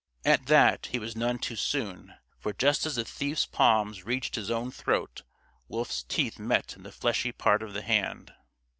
At that, he was none too soon, for just as the thief's palm reached his own throat, Wolf's teeth met in the fleshy part of the hand.